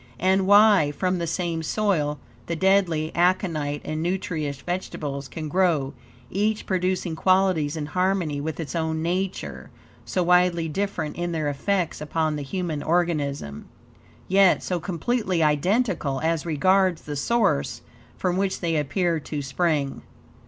And why, from the same soil, the deadly aconite and nutritious vegetable can grow, each producing qualities in harmony with its own nature, so widely different in their effects upon the human organism, YET, SO COMPLETELY IDENTICAL AS REGARDS THE SOURCE FROM WHICH THEY APPEAR TO SPRING.